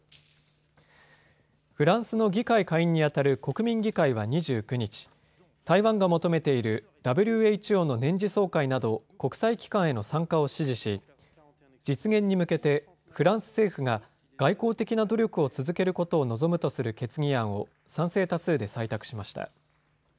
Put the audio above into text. フランスの議会下院にあたる国民議会は２９日、台湾が求めているＷＨＯの年次総会など国際機関への参加を支持し実現に向けてフランス政府が外交的な努力を続けることを望むとする決議案を賛成多数で採択しました。